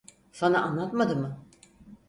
Sana anlatmadı mı?